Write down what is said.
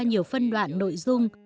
có nhiều phân đoạn nội dung